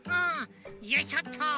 よいしょっと。